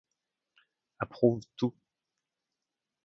Approuve tout.